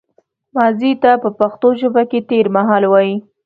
ماضي ته په پښتو ژبه کې تېرمهال وايي